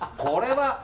これは。